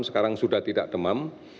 sekarang sudah tidak demam